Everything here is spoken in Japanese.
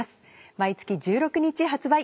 毎月１６日発売。